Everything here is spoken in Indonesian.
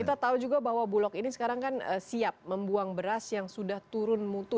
kita tahu juga bahwa bulog ini sekarang kan siap membuang beras yang sudah turun mutu